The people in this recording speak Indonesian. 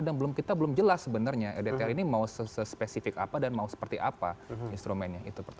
dan kita belum jelas sebenarnya rdtr ini mau sespesifik apa dan mau seperti apa instrumennya